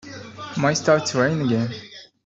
Might start to rain again.